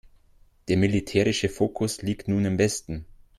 Der militärische Fokus liegt nun im Westen.